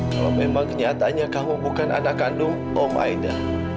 kalau memang kenyatanya kamu bukan anak kandung om aida